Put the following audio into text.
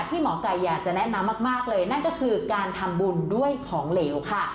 หมอไก่อยากจะแนะนำมากเลยนั่นก็คือการทำบุญด้วยของเหลวค่ะ